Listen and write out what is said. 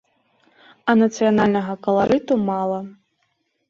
А нацыянальнага каларыту мала.